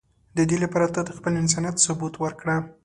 د دی لپاره ته د خپل انسانیت ثبوت ورکړه.